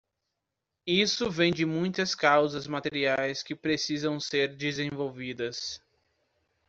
Isso vem de muitas causas materiais que precisam ser desenvolvidas.